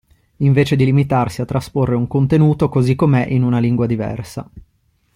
Invece di limitarsi a trasporre un contenuto così com'è in una lingua diversa.